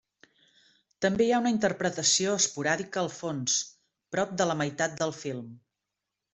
També hi ha una interpretació esporàdica al fons, prop de la meitat del film.